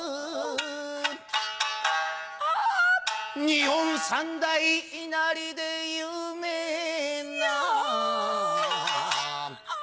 日本三大稲荷で有名なヨ！